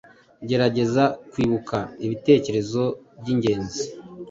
Gerageza kwibuka ibitekerezo byingenzi,